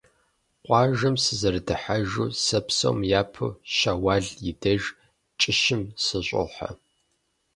Къуажэм сызэрыдыхьэжу сэ псом япэ Щэуал и деж, кӀыщым, сыщӀохьэ.